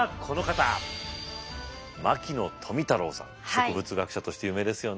植物学者として有名ですよね。